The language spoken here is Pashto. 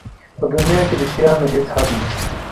په دنیا کې د شیانو هېڅ حد نشته.